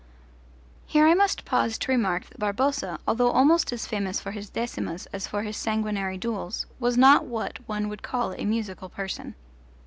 Here I must pause to remark that Barboza, although almost as famous for his decimas as for his sanguinary duels, was not what one would call a musical person.